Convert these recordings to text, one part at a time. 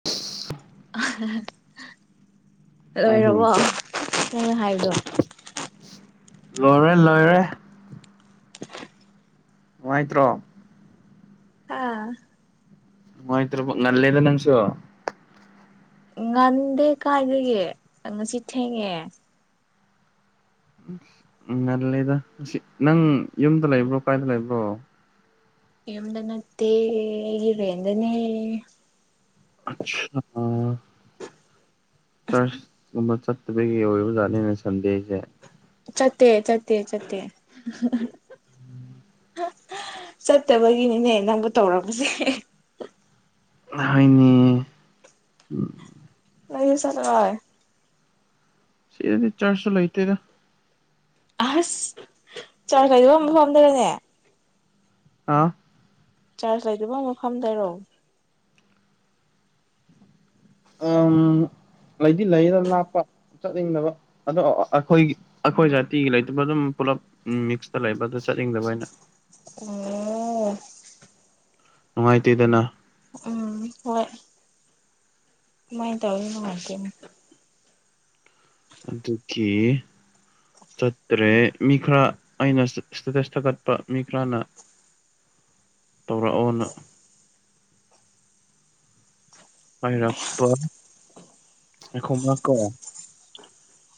[unintelligible] ꯂꯣꯏꯔꯕꯣ ꯇꯥꯕ꯭ꯔꯣ ꯅꯪꯩꯅ ꯍꯥꯏꯕꯗꯣ ꯂꯣꯏꯔꯦ ꯂꯣꯏꯔꯦ ꯅꯨꯡꯉꯥꯏꯇ꯭ꯔꯣ ꯍꯥꯥ ꯃꯣꯏ ꯉꯜꯦꯗ ꯅꯪꯁꯨꯣ ꯉꯥꯟꯗꯦ ꯀꯥꯏꯒꯦ ꯉꯁꯤ ꯊꯦꯡꯉꯦ ꯎ ꯎ ꯉꯜꯂꯤꯗ ꯅꯪ ꯌꯨꯝꯗ ꯂꯩꯕ꯭ꯔꯣ ꯀꯥꯏꯗ ꯂꯩꯕ꯭ꯔꯣ ꯌꯗ ꯅꯠꯇꯦꯒꯤꯔꯦꯗꯅꯦ ꯑꯆꯥ ꯆꯔꯆꯀꯨꯝꯕ ꯆꯠꯇꯕꯒꯤ ꯑꯣꯏꯕꯖꯥꯠꯅꯤꯅꯦ ꯁꯟꯗꯦꯁꯦ ꯆꯠꯇꯦ ꯆꯠꯇꯦ ꯆꯠꯇꯦ ꯆꯠꯇꯕꯒꯤꯅꯤꯅꯦ ꯅꯪꯕꯨ ꯇꯧꯔꯛꯄꯁꯦ ꯍꯥꯏꯅꯤ ꯂꯩꯁꯔ ꯍ ꯁꯤꯗꯤ ꯆꯔꯁꯨ ꯂꯣꯏꯇꯦꯗ ꯑꯁ ꯆꯥꯎꯔꯈꯩꯗꯨꯝꯕ ꯐꯝꯗꯕꯅꯦ ꯑꯥ ꯆꯥꯔꯖ ꯂꯩꯇꯕ ꯃꯐꯝꯗꯔꯣ ꯎꯝ ꯂꯩꯗꯤ ꯂꯩꯌꯦꯗ ꯂꯥꯞꯄ ꯆꯠꯅꯤꯡꯗꯕ ꯑꯗꯣ ꯑꯩꯈꯣꯏꯒꯤ ꯑꯩꯈꯣꯏ ꯖꯥꯇꯤꯒꯤ ꯂꯩꯇꯕ ꯑꯗꯨꯝ ꯄꯨꯂꯞ ꯃꯤꯛꯁꯇ ꯂꯩꯕꯗ ꯆꯠꯅꯤꯡꯗꯕ ꯑꯣꯏꯅ ꯎꯝ ꯅꯨꯡꯉꯥꯏꯇꯦꯗꯅ ꯎꯝ ꯍꯣꯏ ꯃꯥꯏ ꯇꯧꯉꯇ ꯀꯦ ꯆꯠꯇ꯭ꯔꯦ ꯃꯤ ꯈꯔ ꯑꯩꯅ ꯏꯁꯇꯦꯇꯦꯁ ꯊꯥꯒꯠꯄ ꯃꯤ ꯈꯔꯅ ꯇꯧꯔꯛꯑꯣꯅ ꯍꯥꯏꯔꯛꯄ ꯑꯩꯈꯣꯃꯥ ꯀꯣ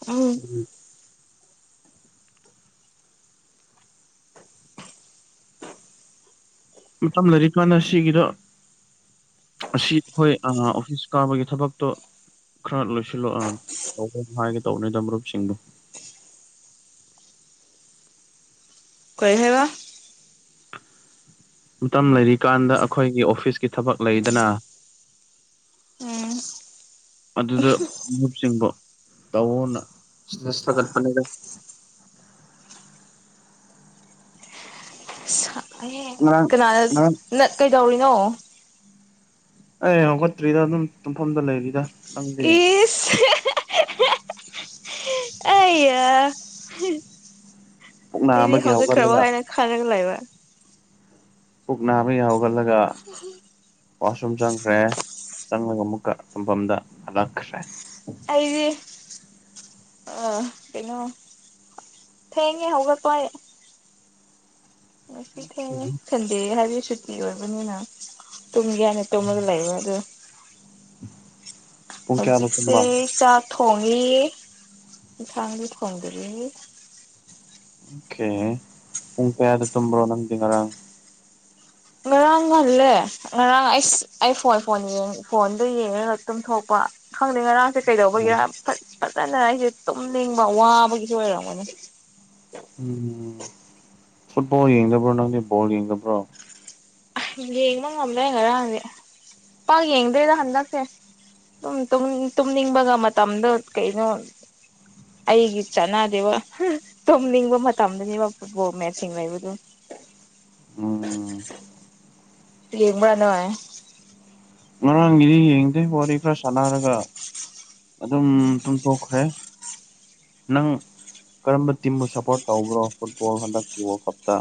ꯎꯝ ꯎꯝ ꯃꯇꯝ ꯂꯩꯔꯤꯀꯥꯟꯅ ꯁꯤꯒꯤꯗꯣ ꯑꯁꯤ ꯑꯩꯈꯣꯏ ꯑꯥ ꯑꯣꯐꯤꯁ ꯀꯥꯕꯒꯤ ꯊꯕꯛꯇꯣ ꯈꯔ ꯂꯣꯏꯁꯤꯜꯂꯨ ꯑꯥ ꯇ [unintelligible] ꯍꯥꯏꯒꯦ ꯇꯧꯕꯅꯤꯗ ꯃꯔꯨꯞꯁꯤꯡꯗꯣ ꯀꯩ ꯍꯥꯏꯕ ꯃꯇꯝ ꯂꯩꯔꯤꯀꯥꯟꯗ ꯑꯩꯈꯣꯏꯒꯤ ꯑꯣꯐꯤꯁꯀꯤ ꯊꯕꯛ ꯂꯩꯗꯅ ꯎꯝ ꯑꯗꯨꯗ ꯃꯔꯨꯞꯁꯤꯡꯕꯨ ꯇꯑꯣꯅ ꯁꯤꯗ ꯁꯥꯒꯠꯄꯅꯦꯗ ꯉꯔꯥꯡ ꯀꯅꯥꯗ ꯉꯔꯥꯡ ꯅꯠ ꯀꯩꯗꯧꯔꯤꯅꯣ ꯑꯩ ꯍꯧꯈꯠꯇ꯭ꯔꯤꯗ ꯑꯗꯨꯝ ꯇꯨꯝꯐꯝꯗ ꯂꯩꯔꯤꯗ ꯅꯪꯗꯤ ꯏꯁ ꯑꯌꯥ ꯄꯨꯛ ꯑꯩꯗꯤ ꯅꯥꯕꯒꯤ ꯍꯧꯒꯠꯈ꯭ꯔꯕꯣ ꯍꯧꯒꯠꯂꯒ ꯍꯥꯏꯅ ꯈꯔꯒ ꯂꯩꯕ ꯄꯨꯛ ꯅꯥꯕꯒꯤ ꯍꯧꯒꯠꯂꯒ [unintelligible] ꯋꯥꯁꯔꯨꯝ ꯆꯪꯈ꯭ꯔꯦ ꯆꯪꯂꯒ ꯑꯃꯨꯛꯀ ꯇꯨꯝꯐꯝꯗ ꯍꯜꯂꯛꯈ꯭ꯔꯦ ꯑꯩꯗꯤ ꯑ ꯀꯩꯅꯣ ꯊꯦꯡꯉꯦ ꯍꯧꯒꯠꯄ ꯑꯩ ꯉꯁꯤ ꯊꯦꯡꯉꯦ ꯊꯤꯟ ꯗꯦ ꯍꯥꯏꯕꯒꯤ ꯁꯨꯇꯤ ꯑꯣꯏꯕꯅꯤꯅ ꯇꯨꯝꯒꯦ ꯍꯥꯏꯅ ꯇꯨꯝꯃꯒ ꯂꯩꯕ ꯑꯗꯨ ꯄꯨꯡ ꯀꯌꯥꯗ ꯍꯧꯖꯤꯛꯁꯦ ꯇꯨꯝꯕ ꯆꯥꯛ ꯊꯣꯡꯉꯤ ꯌꯦꯟꯁꯥꯡꯗꯤ ꯊꯣꯡꯗ꯭ꯔꯤ ꯑꯣ ꯀꯦ ꯄꯨꯡ ꯀꯌꯥꯗ ꯇꯨꯝꯕ꯭ꯔꯣ ꯅꯪꯗꯤ ꯉꯔꯥꯡ ꯉꯔꯥꯡ ꯍꯜꯂꯦ ꯉꯔꯥꯡ ꯑꯩꯁ ꯑꯩ ꯐꯣꯟ ꯐꯣꯟ ꯌꯦꯡ ꯐꯣꯟꯗꯣ ꯌꯦꯡꯉꯒ ꯇꯨꯝꯊꯣꯛꯄ ꯈꯪꯗꯦ ꯉꯔꯥꯡ ꯀꯩꯗꯧꯕꯒꯤꯔ ꯐꯠ ꯐꯖꯅ ꯑꯩꯁꯦ ꯇꯨꯝꯅꯤꯡꯕ ꯋꯥꯕꯒꯤꯁꯨ ꯑꯣꯏꯔꯝꯒꯅꯤ ꯎꯝ ꯐꯨꯠꯕꯣꯜ ꯌꯦꯡꯗꯕ꯭ꯔꯣ ꯅꯪꯗꯤ ꯕꯣꯜ ꯌꯦꯡꯗꯕ꯭ꯔꯣ ꯌꯦꯡꯕ ꯉꯝꯂꯦ ꯉꯔꯥꯡꯗꯤ ꯄꯥꯛ ꯌꯦꯡꯗꯦꯗ ꯍꯟꯗꯛꯁꯦ ꯇꯨꯝ ꯇꯨꯝꯅꯤꯡꯕꯒ ꯃꯇꯝꯗꯣ ꯀꯩꯅꯣ ꯑꯩꯒꯤ ꯆꯠꯅꯗꯦꯕ ꯍꯥ ꯇꯨꯝꯅꯤꯡꯕ ꯃꯇꯝꯗꯅꯦꯕ ꯐꯨꯠꯕꯣꯜ ꯃꯦꯠꯆꯁꯤꯡ ꯂꯩꯕꯗꯨ ꯎꯝ ꯌꯦꯡꯕ꯭ꯔꯥ ꯅꫭꯢ ꯉꯔꯥꯡꯒꯤꯗꯤ ꯌꯦꯡꯗꯣꯏ ꯋꯥꯔꯤ ꯈꯔ ꯁꯥꯟꯅꯔꯒ ꯑꯗꯨꯝ ꯇꯨꯝ ꯊꫭꯛꯈ꯭ꯔꯦ ꯅꯪ ꯀꯔꯝꯕ ꯇꯤꯝꯕꯨ ꯁꯄꯣꯔꯠ ꯇꯧꯕ꯭ꯔꯣ ꯐꯨꯠꯕꯣꯜ ꯍꯟꯗꯛꯀꯤ ꯋꯥꯜ ꯀꯞꯇ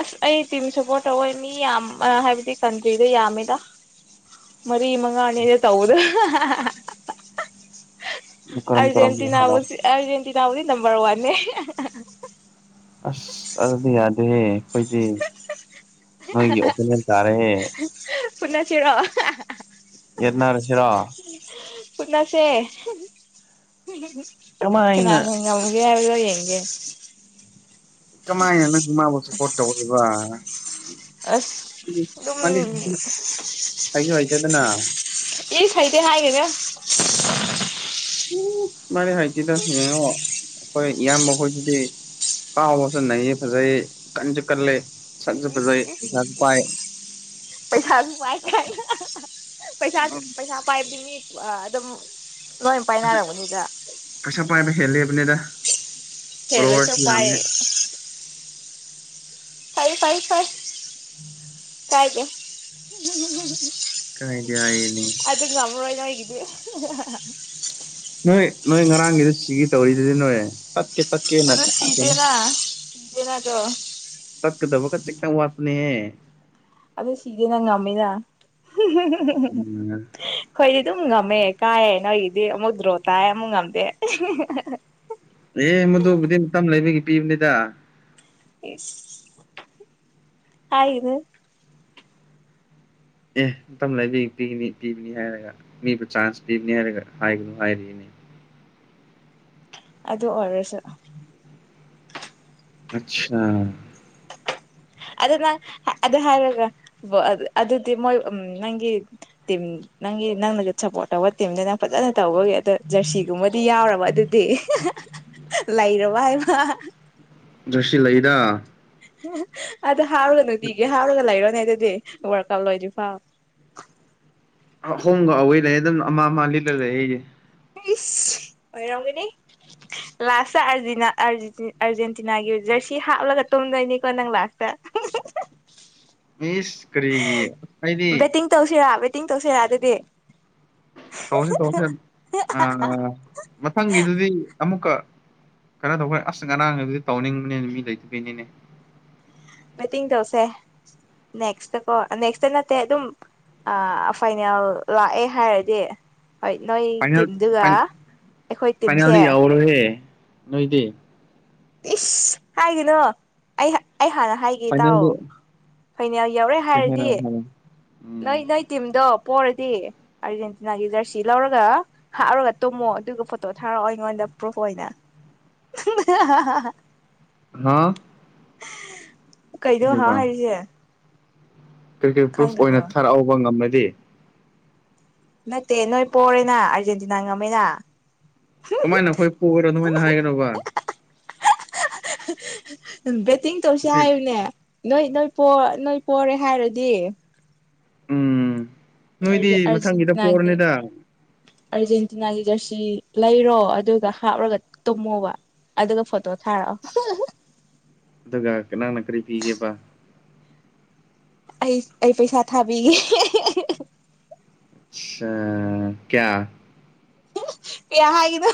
ꯑꯁ ꯑꯩ ꯇꯤꯝ ꯁꯞꯄꯣꯔꯠ ꯇꯧꯋꯦ ꯃꯤ ꯌꯥꯝ ꯍꯥꯏꯕꯗꯤ ꯀꯟꯇ꯭ꯔꯤꯗ ꯌꯥꯝꯃꯤꯗ ꯃꯔꯤ ꯃꯉꯥꯡꯅꯤꯗ ꯇꯧꯕꯗꯨ ꯀꯔꯝ ꯀꯔꯝꯕ ꯑꯔꯖꯦꯟꯇꯤꯅꯥꯕꯨ ꯍꯥꯏꯅꯣ ꯁꯤ ꯑꯔꯖꯦꯟꯇꯤꯅꯥꯕꯨꯗꯤ ꯅꯝꯕꯔ ꯋꯥꯟꯅꯦ ꯑꯁ ꯑꯗꯨꯗꯤ ꯌꯥꯗꯦꯍꯦ ꯑꯩꯈꯣꯏꯗꯤ ꯅꯣꯏꯒꯤ ꯑꯣꯄꯣꯅꯦꯟ ꯇꯥꯔꯍꯦ ꯄꯨꯟꯅꯁꯤꯔꯧ ꯑꯣ ꯌꯦꯠꯅ ꯔꯁꯤꯔꫭ ꯐꯨꯅꯁꯦ ꯀꯃꯥꯏꯅ ꯀꯅꯅꫭ ꯉꯝꯒꯦ ꯍꯥꯏꯕꯗꯣ ꯌꯦꯡꯒꯦ ꯀꯃꯥꯏꯅ ꯅꯪ ꯃꯥꯕꯨ ꯁꯞꯄꫭꯠ ꯇꯥꯎꯔꯤꯕ ꯑꯁ ꯑꯗꯨꯝ ꯍꯩꯁꯨ ꯑꯁ ꯍꯩꯁꯨ ꯍꯩꯇꯗꯅ ꯑꯁ ꯏꯁ ꯍꯩꯗꯦ ꯍꯥꯏꯒꯅꯨ ꯎ ꯃꯥꯅꯤ ꯍꯥꯏꯇꯤꯗꯣ ꯌꯦꯡꯉꯣ ꯍꯥꯎ ꯑꯩꯈꯣꯏ ꯏꯌꯥꯝꯕ ꯃꯈꯣꯏꯁꯤꯗꯤ ꯀꯥꯎꯕꯁꯨ ꯅꯩꯌꯦ ꯐꯖꯩ ꯀꯟꯁꯨ ꯀꯂꯦ ꯁꯛꯁꯨ ꯐꯖꯩ ꯄꯩꯁꯥꯁꯨ ꯄꯥꯏ꯫ ꯄꯩꯁꯥꯁꯨꯃꯥꯏ ꯄꯩꯁꯥ ꯄꯩꯁꯥ ꯄꯥꯏꯕꯤꯅꯤ ꯑꯗꯨꯝ ꯂꯣꯏꯅ ꯄꯥꯏꯅꯔꯝꯔꯕꯅꯤꯗ꯫ ꯄꯩꯁꯥ ꯄꯥꯏꯕ ꯍꯦꯜꯂꯤ ꯍꯥꯏꯕꯅꯤꯗ ꯍꯦꯂꯂꯣꯏ ꯄꯥꯏ ꯐꯥꯏ ꯐꯥꯏ ꯐꯥꯏ ꯀꯥꯏꯗꯦ꯫ ꯀꯥꯏꯗꯤ ꯍꯥꯏꯅꯤ ꯑꯩꯗ ꯉꯃꯔꯣꯏ ꯅꯣꯏ ꯒꯤꯗꯤ꯫ ꯅꯣꯏ ꯅꯣꯏ ꯉꯔꯥꯡꯒꯤꯗ ꯁꯤꯒꯤ ꯇꯧꯔꯤꯗꯨꯗꯤ ꯅꯣꯏ ꯇꯠꯀꯦ ꯇꯠꯀꯦꯅ ꯀꯩꯅꯣ ꯁꯤꯇꯅ ꯁꯤꯗꯅ ꯇꯣ꯫ ꯇꯠꯀꯗꯕꯠ ꯆꯪ ꯋꯥꯇꯅꯦ꯫ ꯑꯗꯨ ꯁꯤꯗꯦꯅ ꯉꯝꯃꯤꯅ ꯎꯝ ꯑꯩꯈꯣꯏꯗꯤ ꯑꯗꯨꯝ ꯉꯝꯃꯦ ꯀꯥꯏꯌꯦ ꯅꯣꯏꯒꯤꯗꯤ ꯑꯃꯨꯛ ꯗ꯭ꯔꯣ ꯇꯥꯏ ꯑꯃꯨꯛ ꯉꯝꯗꯦ꯫ ꯑꯦ ꯃꯗꯨꯕꯨꯗꯤꯇꯝ ꯂꯩꯕꯒꯤ ꯄꯤꯕꯅꯤꯗ ꯏꯁ ꯍꯥꯏꯒꯅꯨ꯫ ꯑꯦ ꯃꯇꯝꯇ ꯂꯩꯕꯤ ꯄꯤꯒꯅꯤ ꯄꯤꯕꯅꯤ ꯍꯥꯏꯔꯒ ꯃꯤꯕꯨ ꯆꯥꯟꯁ ꯄꯤꯕꯅꯤ ꯍꯥꯏꯔꯒ ꯍꯥꯏꯒꯅꯨ ꯍꯥꯏꯔꯤꯅꯦ꯫ ꯑꯗꯨ ꯑꯣꯔꯁꯨ ꯑꯆꯥ ꯑꯗꯨ ꯅꯪ ꯑꯗꯨ ꯍꯥꯏꯔꯒ ꯑꯗꯨꯗꯤ ꯃꯣꯏ ꯎ ꯅꯪꯒꯤ꯫ ꯅꯪ ꯅꯪ ꯅꯒꯠ ꯆꯄꯣꯠ ꯇꯤꯝꯗꯅꯪ ꯐꯖꯅ ꯇꯧꯕꯒꯤ ꯑꯗꯣ ꯖꯔꯁꯤꯒꯨꯝꯕꯗꯤ ꯌꯥꯎꯔꯕ ꯑꯗꯨꯗꯤ꯫ ꯂꯩꯔꯕ ꯍꯥꯏꯕ ꯖꯔꯁꯤ ꯂꯩꯗ꯫ ꯑꯗꯨ ꯍꯥꯎꯔꯒ ꯅꯨꯡꯇꯤꯒꯤ ꯍꯥꯎꯔꯒ ꯂꯩꯔꯣꯅꯦ ꯑꯗꯨꯗꯤ ꯋꯥꯜꯀꯨꯄ ꯂꯣꯏꯗꯤ ꯐꯥꯎ꯫ ꯑꯍꯣꯡꯒ ꯑꯋꯦ ꯂꯩꯦ ꯑꯗꯨꯝ ꯑꯃ ꯑꯃ ꯂꯤꯂ ꯂꯩ ꯑꯩꯁꯦ꯫ ꯏꯤꯁ ꯑꯣꯏꯔꯝꯒꯅꯤ꯫ ꯂꯥꯁꯇ ꯑꯥꯔꯖꯦꯟꯇꯤꯅꯥꯒꯤ ꯖꯔꯁꯤ ꯍꯥꯞꯂꯒ ꯇꯨꯝꯗꯣꯏꯅꯤꯀꯣ ꯅꯪ ꯂꯥꯁꯇ꯫ ꯏꯁ ꯀꯔꯤꯒꯤ꯫ ꯑꯩꯗꯤ ꯕꯦꯠꯇꯤꯡ ꯇꯧꯁꯤꯔ ꯕꯦꯠꯇꯤꯡ ꯇꯧꯁꯤꯔ ꯑꯗꯨꯗꯤ ꯇꯧꯔꯁꯤ ꯇꯧꯔꯁꯤ ꯃꯊꯪꯒꯤꯗꯨꯗꯤ ꯑꯃꯨꯛꯀ ꯀꯩꯅꯣ ꯇꯧꯕꯈꯣꯏ ꯑꯁ ꯉꯔꯥꯡ ꯍꯥꯏꯕꯗꯤ ꯇꯧꯅꯤꯡꯕꯅꯦꯅ ꯃꯤ ꯂꯩꯇꯕꯩꯅꯤꯅꯦ꯫ ꯕꯦꯇꯤꯡ ꯇꯧꯁꯦ ꯅꯦꯛꯁꯇꯀꯣ ꯅꯦꯛꯁꯇ ꯅꯠꯇꯦ ꯑꯗꯨꯝ ꯑ ꯐꯥꯏꯅꯦꯜ ꯂꯥꯛꯑꯦ ꯍꯥꯏꯔꯗꯤ꯫ ꯍꯣꯏ ꯅꯣꯏ ꯐꯥꯏꯅꯦꯜ ꯇꯤꯝꯗꯨꯒ ꯑꯩꯈꯣꯏ ꯇꯤꯝꯁꯦ꯫ ꯄꯨꯔꯣꯍꯦ꯫ ꯅꯣꯏꯗꯤ ꯏꯁ ꯍꯥꯏꯒꯅꯣ ꯑꯩ ꯑꯩ ꯍꯥꯟꯅ ꯍꯥꯏꯒ ꯐꯩꯅꯗꯤ꯫ ꯐꯥꯏꯅꯂ ꯌꯧꯔꯦ ꯍꯥꯏꯔꯗꯤ꯫ ꯅꯣꯏ ꯎꯝ ꯅꯣꯏ ꯇꯤꯝꯗꯣ ꯄꯣꯔꯗꯤ ꯑꯥꯔꯖꯦꯟꯇꯤꯅꯥꯒꯤ ꯖꯔꯁꯤ ꯂꯧꯔꯒ ꯍꯥꯞꯔꯒ ꯇꯨꯝꯃꯣ ꯑꯗꯨꯒ ꯐꯣꯇꯣ ꯊꯥꯔꯛꯑꯣ ꯑꯩꯉꯣꯟꯗ ꯄ꯭ꯔꯨꯐ ꯑꯣꯏꯅ [inaudible] ꯍꯥ ꯀꯩꯅꯣ ꯍꯥꯏ ꯀꯔꯤꯕ ꯍꯥꯏꯔꯤꯁꯦ꯫ ꯀ꯭ꯔꯤ ꯀꯔꯤ ꯄ꯭ꯔꯨꯐ ꯑꯣꯏꯅ ꯈꯪꯗꯕ꯭ꯔꯣ ꯊꯥꯔꯛꯍꯧꯕ ꯉꯝꯃꯗꯤ꯫ ꯅꯠꯇꯦ ꯅꯣꯏ ꯄꯣꯔꯦꯅ ꯑꯥꯔꯖꯦꯟꯇꯤꯅꯥ ꯉꯝꯃꯦꯅ꯫ ꯀꯃꯥꯏꯅ ꯑꯩꯈꯣꯏ ꯄꯒꯔꯣ ꯑꯗꯨꯃꯥꯏꯅ ꯍꯥꯏꯒꯅꯣꯕ꯫ ꯕꯦꯠꯇꯤꯡ ꯇꯧꯁ ꯍꯥꯏꯌꯨꯅꯦ꯫ ꯅꯣꯏ ꯅꯣꯏ ꯅꯣꯏ ꯄꯣꯔꯦ ꯍꯥꯏꯔꯗꯤ꯫ ꯎꯝ ꯅꯣꯏꯗꯤ ꯃꯊꯪꯒꯤꯗ ꯑꯥꯔꯖꯦꯟꯇꯤꯅꯥꯒꯤ ꯄꯣꯔꯅꯤꯗ ꯑꯥꯔꯖꯦꯟꯇꯤꯅꯥꯒꯤ ꯖꯔꯁꯤ ꯂꯩꯔꯣ ꯑꯗꯨꯒ ꯍꯥꯞꯂꯒ ꯇꯨꯝꯃꯣꯕ ꯑꯗꯨꯒ ꯐꯣꯇꯣ ꯊꯥꯔꯛꯑꯣ ꯑꯗꯨꯒ ꯅꯪꯅ ꯀꯔꯤ ꯄꯤꯒꯦꯕ ꯑꯩ ꯑꯩ ꯄꯩꯁꯥ ꯊꯥꯕꯤꯒꯦ ꯑ ꯀꯌꯥ ꯀꯌꯥ ꯍꯥꯏꯒꯦꯅꯣ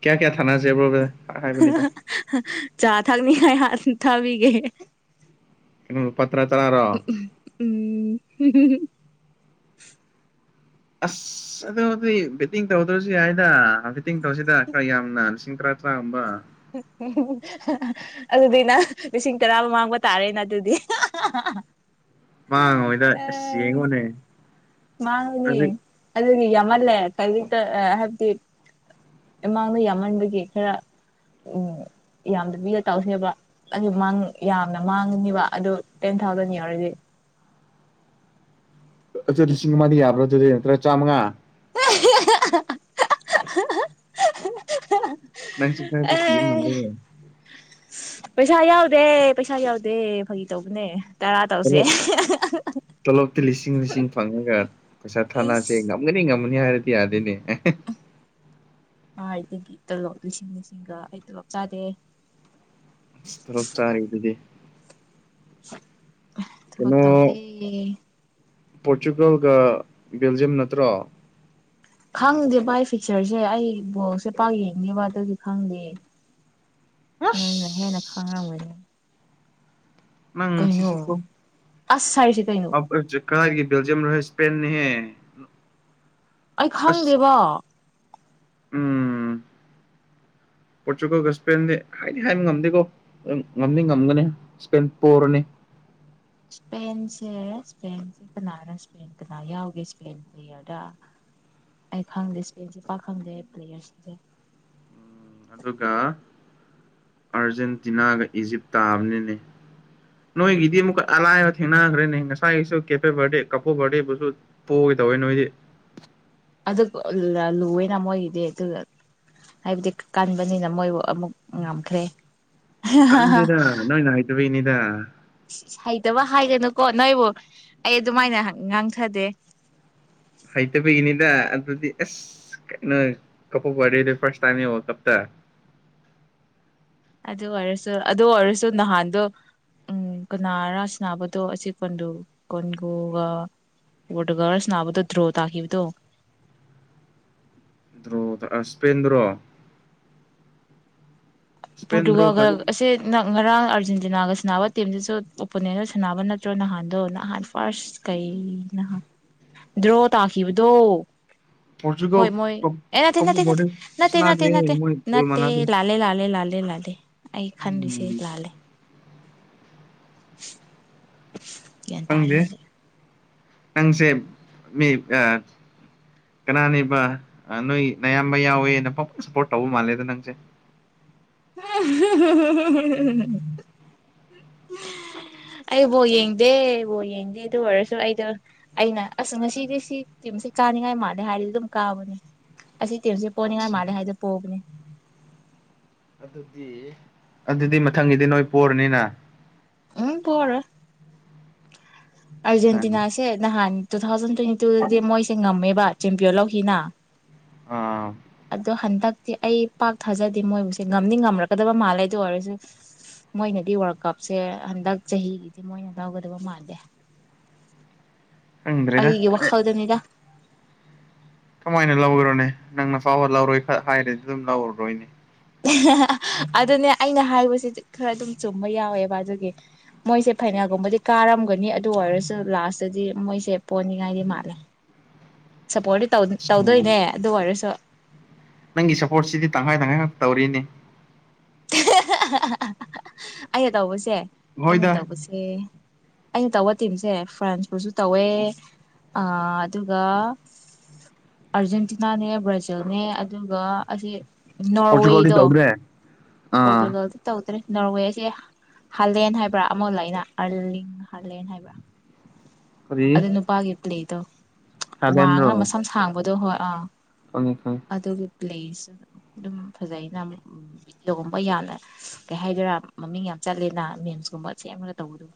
ꯀꯌꯥ ꯀꯌꯥ ꯊꯥꯅꯁꯦꯕ꯭ꯔꯣ ꯍꯥꯏꯕꯅꯤꯗ ꯆꯥ ꯊꯛꯅꯤꯉꯥꯢ ꯊꯥꯕꯤꯒꯦ ꯀꯩꯅꯣ ꯂꯨꯄꯥ ꯇꯔ ꯇꯔꯥꯔꯣ ꯎꯝ ꯑꯁ ꯑꯗꯨꯗꯤ ꯕꯦꯠꯇꯤꯡ ꯇꯧꯗ꯭ꯔꯁꯨ ꯌꯥꯏꯗ ꯕꯦꯠꯇꯤꯡ ꯇꯧꯁꯤꯗ ꯈꯔ ꯌꯥꯝꯅ ꯂꯤꯁꯤꯡ ꯇꯔꯥ ꯇꯔꯥ ꯒꯨꯝꯕ [unintelligible] ꯑꯗꯨꯗꯤ ꯅꯪ ꯂꯤꯁꯤꯡ ꯇꯔꯥ ꯃꯃꯥꯡꯕ ꯇꯥꯔꯦꯅ ꯑꯗꯨꯗꯤ ꯃꯥꯡꯉꯣꯢꯗ ꯑꯁ ꯌꯦꯡꯉꯨꯅꯦ ꯃꯥꯡꯉꯨꯅꯤ ꯑꯗꯨꯒꯤ ꯌꯥꯝꯃꯜꯂꯦ ꯀ ꯍꯥꯏꯕꯗꯤ ꯃꯃꯥꯡꯗ ꯌꯥꯝꯃꯟꯕꯒꯤ ꯈꯔ ꯎꯝ ꯌꯥꯝꯗꯕꯤꯗ ꯇꯧꯁꯦꯕ ꯑꯗꯨ ꯌꯥꯝꯅ ꯃꯥꯡꯉꯅꯤꯕ ꯑꯗꯨ ꯇꯦꯟ ꯊꯥꯎꯖꯟ ꯌꯥꯎꯔꯤꯗꯤ ꯑꯗꯨꯂꯤ ꯂꯤꯁꯤꯡ ꯑꯃ ꯌꯥꯕ꯭ꯔꯥ ꯑꯗꯨꯗꯤ ꯅꯠꯇꯔꯥ ꯆꯥꯝꯃꯉꯥ ꯅꯪꯁꯨ ꯈꯔꯗꯤ ꯀꯤꯕ ꯑꯦ ꯃꯥꯜꯂꯦ ꯄꯩꯁꯥ ꯌꯥꯎꯗꯦ ꯄꯩꯁꯥ ꯌꯥꯎꯗꯦ ꯐꯥꯒꯤ ꯇꯧꯕꯅꯦ ꯇꯔꯥ ꯇꯧꯁꯦ ꯇꯣꯂꯣꯞꯇꯤ ꯂꯤꯁꯤꯡ ꯂꯤꯁꯤꯡ ꯐꯪꯉꯒ ꯄꯩꯁꯥ ꯊꯥꯅꯁꯦ ꯏꯁ ꯉꯝꯒꯅꯤ ꯉꯝꯃꯅꯤ ꯍꯥꯏꯔꯗꯤ ꯌꯥꯗꯦꯅꯦ ꯀꯥꯢꯗꯒꯤ ꯇꯂꯣꯞ ꯂꯤꯁꯤꯡ ꯂꯤꯁꯤꯡꯒ ꯑꯩ ꯇꯂꯣꯞ ꯆꯥꯗꯦ ꯢꯁ ꯊꯣꯂꯣꯞ ꯆꯥꯔꯤꯗꯨꯗꯤ ꯊꯕꯛ ꯇꯧꯗꯦ ꯄ꯭ꯔꯣꯇꯨꯒꯜꯒ ꯕꯦꯜꯖꯤꯌꯝ ꯅꯠꯇ꯭ꯔꯣ ꯈꯪꯗꯦꯕ ꯐꯤꯆꯔꯁꯦ ꯑꯩ ꯕꯣꯜꯁꯦ ꯄꯥꯛ ꯌꯦꯡꯗꯦꯕ ꯑꯗꯨꯗꯤ ꯈꯪꯗꯦ ꯅꯣꯏꯅ ꯍꯦꯟꯅ ꯑꯁ ꯈꯪꯉꯝꯒꯅꯤ ꯅꯪ ꯀꯩꯅꯣ ꯑꯁ ꯍꯥꯢꯔꯤꯁꯦ ꯀꯩꯅꯣ [inaudible] ꯀꯥꯢꯒꯤ ꯕꯦꯜꯖꯤꯌꯝ ꯔꯣ ꯁꯄꯦꯟꯅꯤꯍꯦ ꯑꯩ ꯈꯪꯗꯦꯕ ꯎꯝ ꯄ꯭ꯔꯣꯇꯨꯒꯜꯒ ꯏꯁꯄꯦꯟꯗꯤ ꯍꯥꯏꯗꯤ ꯍꯥꯏꯕ ꯉꯝꯗꯦꯀꯣ ꯉꯝꯅꯤ ꯉꯝꯒꯅꯤ ꯢꯁꯄꯦꯟ ꯄꯣꯔꯅꯤ ꯏꯁꯄꯦꯟꯁꯦ ꯏꯁꯄꯦꯟꯁꯦ ꯀꯅꯥꯅꯣ ꯏꯁꯄꯦꯟ ꯀꯅꯥ ꯌꯥꯎꯒꯦ ꯏꯁꯄꯦꯟ ꯄ꯭ꯂꯦꯌꯔꯗ ꯑꯩ ꯈꯪꯗꯦ ꯏꯁꯄꯦꯁꯦ ꯄꯥꯛ ꯈꯪꯗꯦ ꯄ꯭ꯂꯦꯌꯔꯁꯤꯡꯁꯦ ꯑꯗꯨꯒ ꯑꯔꯖꯦꯟꯇꯤꯅꯥꯒ ꯏꯖꯤꯞ ꯇꯥꯕꯅꯤꯅꯦ ꯅꯣꯏꯒꯤꯗꯤ ꯑꯃꯨꯛ ꯑꯔꯥꯏꯕ ꯊꯦꯡꯅꯈ꯭ꯔꯦꯅꯦ ꯉꯁꯥꯏꯒꯤꯁꯨ ꯀꯦꯄꯦ ꯕꯔꯗꯦ ꯀꯄꯣ ꯕꯔꯗꯦꯕꯨꯁꯨ ꯄꯣꯒꯦ ꯇꯧꯋꯤ ꯅꯣꯏꯗꯤ ꯑꯗꯨꯕꯨ ꯂꯣꯏꯅ ꯃꯣꯏꯒꯤꯗꯤ ꯍꯥꯀꯇꯥ ꯍꯥꯏꯕꯗꯤ ꯀꯟꯕꯅꯤꯅ ꯃꯣꯏꯕꯨ ꯑꯃꯨꯛ ꯉꯝꯈ꯭ꯔꯦ ꯀꯔꯤꯅꯤꯗ ꯏꯁ ꯏꯁ ꯍꯩꯇꯕ ꯍꯥꯏꯒꯅꯨꯀꯣ ꯅꯣꯏꯕꯨ ꯑꯩ ꯑꯗꯨꯃꯥꯏꯅ ꯉꯥꯡꯊꯗꯦ ꯍꯩꯇꯕꯒꯤꯅꯤꯗ ꯑꯗꯨꯗꯤ ꯑꯁ ꯀꯩꯅꯣ ꯀꯦꯕꯣ ꯚꯔꯗꯤꯗꯤ ꯐꯥꯔꯁ ꯇꯥꯅꯤ ꯋꯥꯔꯜ ꯀꯞꯇꯥ ꯑꯗꯨ ꯑꯣꯏꯔꯁꯨ ꯑꯗꯨ ꯑꯣꯏꯔꯁꯨ ꯅꯍꯥꯟꯗꯣ ꯎꯝ ꯀꯅꯥꯔꯥ ꯁꯥꯅꯕꯗꯣ ꯑꯁꯤ ꯀꯗꯨ ꯀꯣꯡꯒꯣꯒ ꯄ꯭ꯔꯣꯇꯨꯒꯜꯒ ꯁꯥꯅꯕꯗꯥ ꯗ꯭ꯔꯣ ꯇꯥꯈꯤꯕꯗꯣ ꯗ꯭ꯔꯣꯗ ꯏꯁꯄꯦꯟꯗ꯭ꯔꯣ ꯁ꯭ꯄꯦꯟ ꯗ꯭ꯔꯣ ꯄ꯭ꯔꯣꯇꯨꯒꯜꯒ ꯇꯥꯔꯦ ꯑꯁꯦ ꯅ ꯉꯔꯥꯡ ꯑꯥꯔꯖꯦꯟꯇꯤꯅꯥꯒ ꯁꯥꯟꯅꯕ ꯇꯤꯝꯁꯤꯁꯨ ꯑꯣꯄꯣꯅꯦꯟꯅ ꯁꯥꯟꯅꯕ ꯅꯠꯇ꯭ꯔꯣ ꯅꯍꯥꯟꯗꯣ ꯅꯍꯥꯟ ꯐꯥꯔꯁ [unintelligible] ꯗ꯭ꯔꯣ ꯇꯥꯈꯤꯕꯗꯣ ꯍꯣꯏ ꯄꯣꯔꯇꯨꯒꯜ ꯃꯣꯏ ꯑꯥ ꯅꯥꯇꯦ ꯅꯇꯦ ꯅꯠꯇꯦ ꯅꯇꯦ ꯅꯥꯇꯦ ꯁꯥꯟꯅꯗꯦ ꯅꯠꯇꯦ ꯃꯣꯏ ꯕꯣꯜ ꯅꯠꯇꯦ ꯃꯥꯟꯅꯗꯦ ꯂꯥꯜꯂꯦ ꯂꯥꯜꯂꯦ ꯂꯥꯜꯂꯦ ꯂꯥꯜꯂꯦ ꯂꯥꯜꯂꯦ ꯑꯩ ꯈꯟꯂꯤꯁꯦ ꯎꯝ ꯂꯥꯜꯂꯦ ꯒ꯭ꯌꯥꯟ ꯇꯥꯔꯦ ꯈꯪꯗꯦ ꯍꯧꯖꯤꯛ ꯅꯪꯁꯦ ꯃꯤ ꯑ ꯀꯅꯥꯅꯦꯕ ꯅꯣꯏ ꯑꯌꯥꯝꯕ ꯌꯥꯎꯋꯦꯅ ꯄ ꯄꯨꯅ ꯁꯞꯄꯣꯔꯠ ꯇꯧꯕ ꯃꯥꯜꯂꯦꯗ ꯅꯪꯁꯦ [unintelligible] [inaudible] ꯑꯩ ꯕꯣꯜ ꯌꯦꯡꯗꯦ ꯕꯣꯜ ꯌꯦꯡꯗꯦ ꯑꯗꯨ ꯑꯣꯏꯔꯁꯨ ꯑꯩꯗ ꯑꯩꯅ ꯑꯁ ꯉꯁꯤꯗꯤ ꯁꯤ ꯇꯤꯝꯁꯦ ꯀꯥꯅꯤꯡꯉꯥꯏ ꯃꯥꯜꯂꯦ ꯍꯥꯏꯗꯤ ꯑꯗꯨꯝ ꯀꯥꯕꯅꯦ ꯑꯁꯤ ꯇꯤꯝꯁꯦ ꯄꯣꯅꯤꯉꯥꯏ ꯃꯥꯂꯦ ꯍꯥꯏꯗꯤ ꯄꯣꯕꯅꯦ ꯑꯗꯨꯗꯤ ꯃꯊꯪꯒꯤꯗꯤ ꯅꯣꯏ ꯄꯔꯅꯤꯅ ꯎꯝ ꯄꯣꯔꯣꯏ ꯑꯥꯔꯖꯦꯟꯇꯤꯅꯥꯁꯦ ꯅꯍꯥꯟ ꯇꯨ ꯊꯥꯎꯖꯟ ꯇ꯭ꯋꯦꯟꯇꯤ ꯇꯨꯗꯗꯤ ꯃꯣꯏꯁꯦ ꯉꯝꯃꯦꯕ ꯆꯦꯝꯄꯤꯌꯟ ꯂꯧꯈꯤꯅ ꯑꯥ ꯑꯗꯣ ꯍꯟꯗꯛꯇꯤ ꯑꯩ ꯄꯥꯛ ꯊꯥꯖꯗꯦ ꯃꯣꯏꯕꯨꯁꯦ ꯉꯝꯅꯤ ꯉꯝꯔꯛꯀꯗꯕ ꯃꯥꯜꯂꯦ ꯗꯨꯑꯣꯏꯔꯁꯨ ꯃꯣꯏꯅꯗꯤ ꯋꯥꯔꯜ ꯀꯞꯁꯦ ꯍꯟꯗꯛ ꯆꯍꯤꯒꯤꯗꯤ ꯃꯣꯏꯅ ꯂꯧꯒꯗꯕ ꯃꯥꯟꯗꯦ ꯈꯪꯗ꯭ꯔꯦꯗ ꯑꯩꯒꯤ ꯋꯥꯈꯜꯗꯅꯤꯒ ꯀꯃꯥꯏꯅ ꯂꯧꯈꯔꯣꯅꯦ ꯅꯪꯅ ꯐꯥꯎꯕ ꯂꯧꯔꯣꯏ ꯈ ꯍꯥꯏꯔꯦꯗꯤ ꯑꯗꯨꯝ ꯂꯧꯔꯔꯣꯏꯅꯦ [unintelligible] ꯑꯗꯨꯅꯦ ꯑꯩꯅ ꯍꯥꯏꯕꯁꯦ ꯈꯔ ꯑꯗꯨꯝ ꯆꯨꯝꯕ ꯌꯥꯎꯋꯦꯕ ꯑꯗꯨꯒꯤ ꯃꯣꯏꯁꯦ ꯐꯩꯅꯥꯜꯒꯨꯝꯕꯗꯤ ꯀꯥꯔꯝꯒꯅꯤ ꯑꯗꯨ ꯑꯣꯏꯔꯁꯨ ꯂꯥꯁꯇꯗꯤ ꯃꯣꯏꯁꯦ ꯄꯣꯟꯅꯤꯡꯉꯥꯏꯗꯤ ꯃꯥꯜꯂꯦ [inaudible] ꯁꯞꯄꯣꯔꯤ ꯇꯧꯗꯣꯏꯅꯦ ꯑꯗꯨ ꯑꯣꯏꯔꯁꯨ ꯅꯪꯒꯤ ꯁꯞꯄꯣꯔꯠꯁꯤꯗꯤ ꯇꯪꯈꯥꯏ ꯇꯪꯈꯥꯏꯈꯛ ꯇꯧꯔꯤꯅꯦ ꯑꯩꯅ ꯇꯧꯕꯁꯦ ꯑꯩꯅ ꯍꯣꯏꯗ ꯇꯧꯕꯁꯦ ꯑꯩꯅ ꯇꯧꯕ ꯇꯤꯝꯁꯦ ꯐ꯭ꯔꯥꯟꯁꯄꯨꯁꯨ ꯇꯧꯋꯦ ꯑꯥ ꯑꯗꯨꯒ ꯑꯔꯖꯦꯟꯇꯤꯅꯥꯅꯦ ꯕ꯭ꯔꯥꯖꯤꯜꯅꯦ ꯑꯗꯨꯒ ꯑꯁꯤ ꯄꯣꯔꯆꯨꯒꯜꯗꯤ ꯅꯣꯔꯋꯦꯗꯣ ꯇꯧꯗ꯭ꯔꯦ ꯑꯥ ꯄꯣꯔꯇꯨꯒꯜ ꯇꯧꯗ꯭ꯔꯦ ꯅꯣꯔꯋꯦꯁꯦ ꯍꯥꯂꯦꯟ ꯍꯥꯏꯕ꯭ꯔ ꯑꯃꯥ ꯂꯩꯅ ꯑꯥꯔꯂꯤꯡ ꯍꯥꯂꯦꯟ ꯍꯥꯏꯕ꯭ꯔ ꯀꯔꯤ ꯑꯗꯨ ꯅꯨꯄꯥꯒꯤ ꯄ꯭ꯂꯦꯏꯗꯣ ꯊꯥꯏꯂꯦꯟꯔꯣ ꯋꯥꯡꯉ ꯃꯁꯝ ꯁꯥꯡꯕꯗꯣ ꯍꯣꯏ ꯑꯥ ꯈꯪꯉꯤ ꯈꯪꯉꯤ ꯑꯗꯨꯒꯤ ꯄ꯭ꯂꯦꯁꯁꯨ ꯑꯗꯨꯝ ꯐꯖꯩꯅ ꯕꯤꯗꯤꯑꯣꯒꯨꯝꯕ ꯌꯥꯝꯅ ꯀꯩ ꯍꯥꯏꯗꯣꯏꯔ ꯃꯃꯤꯡ ꯌꯥꯝ ꯆꯠꯂꯦꯅ ꯃꯦꯝꯁꯀꯨꯝꯕ ꯁꯦꯝꯃꯒ ꯇꯧꯕꯗꯨ